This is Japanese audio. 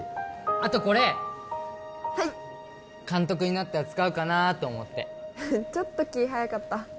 あとこれはい監督になったら使うかなーと思ってちょっと気早かった？